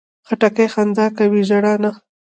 خټکی خندا کوي، ژړا نه.